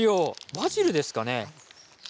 バジルですかね？